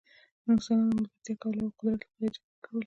انسانانو ملګرتیا کوله او د قدرت لپاره یې جګړه کوله.